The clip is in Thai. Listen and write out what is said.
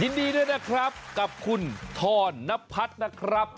ยินดีด้วยนะครับกับคุณทรนพัฒน์นะครับ